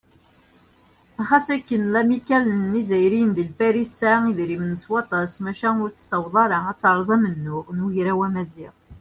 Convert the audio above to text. Ma ɣas akken lamikkal n yizzayriyen di Pari tesɛa idrimen s waṭas, maca ur tessaweḍ ara ad teṛṛez amennuɣ n Ugraw Amaziɣ.